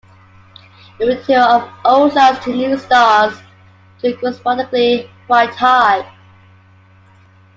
The ratio of old stars to new stars is correspondingly quite high.